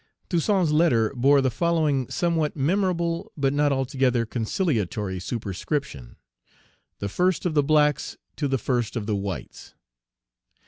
Toussaint's letter bore the following somewhat memorable but not altogether conciliatory superscription, "The first of the blacks to the first of the whites."